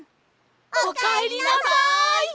おかえりなさい！